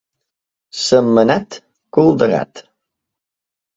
Sentmenat, cul de gat.